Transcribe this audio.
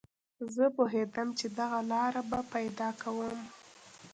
زه پوهېدم چې دغه لاره به پیدا کوم